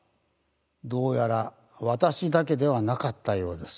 どうやら私だけではなかったようです。